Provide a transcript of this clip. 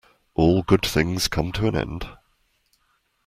All good things come to an end.